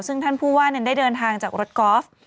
ซึ่งท่านผู้ว่าได้เดินทางจากรถกอล์ฟ